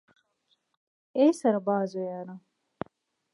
ای سربازه یاره